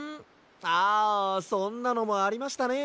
ああそんなのもありましたね。